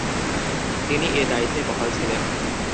তিনি এ দায়িত্বে বহাল ছিলেন।